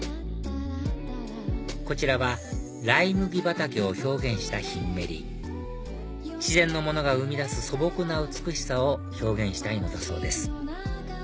こちらはライ麦畑を表現したヒンメリ自然のものが生み出す素朴な美しさを表現したいのだそうです